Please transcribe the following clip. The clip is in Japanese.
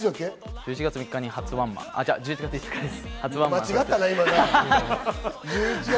１１月５日に初ワンマンです。